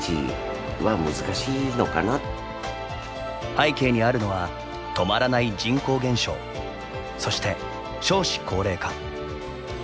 背景にあるのは止まらない人口減少そして少子高齢化。